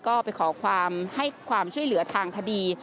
ก็ไปขอความให้ความช่วยเหลือทางคดี